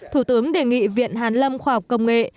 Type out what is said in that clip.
thủ tướng đề nghị viện hàn lâm khoa học công nghệ